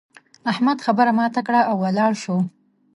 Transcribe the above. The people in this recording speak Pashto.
احمد خبره ماته کړه او ولاړ شو.